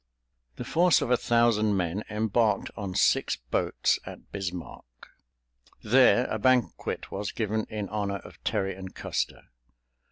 The force of a thousand men embarked on six boats at Bismarck. There a banquet was given in honor of Terry and Custer.